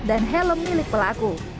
dan helm milik pelaku